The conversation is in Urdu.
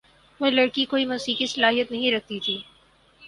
وہ لڑکی کوئی موسیقی صلاحیت نہیں رکھتی تھی۔